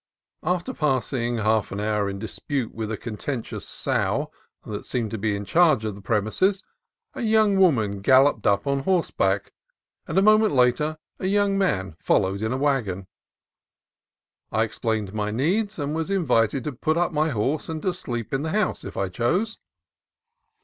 After passing half an hour in dispute with a con tentious sow that seemed to be in charge of the premises, a young woman galloped up on horseback, and a moment later a young man followed in a wagon. I explained my needs, and was invited to put up my horse and to sleep in the house if I chose.